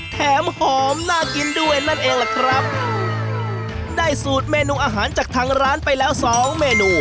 แถมหอมน่ากินด้วยนั่นเองล่ะครับได้สูตรเมนูอาหารจากทางร้านไปแล้วสองเมนู